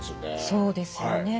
そうですよね。